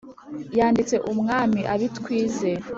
yanditse umwami abit wize,